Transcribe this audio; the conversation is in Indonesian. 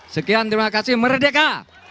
sekian terima kasih merdeka